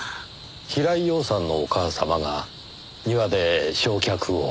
平井陽さんのお母様が庭で焼却を。